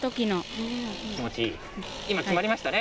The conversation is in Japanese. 今決まりましたね。